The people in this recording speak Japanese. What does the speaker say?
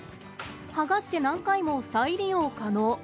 剥がして何回も再利用可能。